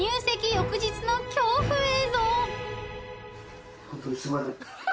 翌日の恐怖映像］